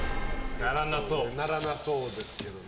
ならなそうですけどね。